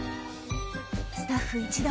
スタッフ一同